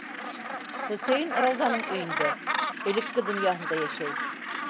Хөсәйен Раузаның өйөндә, элекке донъяһында йәшәй.